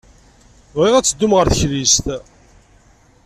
Bɣiɣ ad teddum ɣer teklizt.